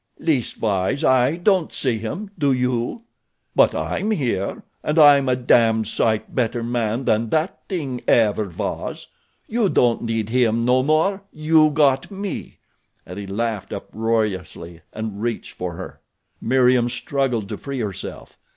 "Leastwise I don't see him, do you? But I'm here, and I'm a damned sight better man than that thing ever was. You don't need him no more—you got me," and he laughed uproariously and reached for her. Meriem struggled to free herself.